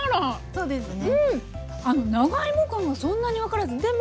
そうですね。